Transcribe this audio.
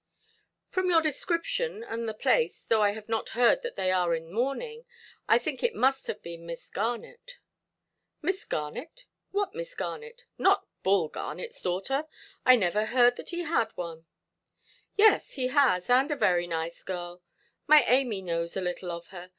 "From your description, and the place, though I have not heard that they are in mourning, I think it must have been Miss Garnet". "Miss Garnet! What Miss Garnet? Not Bull Garnetʼs daughter? I never heard that he had one". "Yes, he has, and a very nice girl. My Amy knows a little of her.